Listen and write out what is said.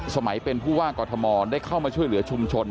สมัยเป็นผู้ว่ากอทมได้เข้ามาช่วยเหลือชุมชน